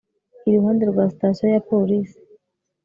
Iruhande rwa sitasiyo ya polise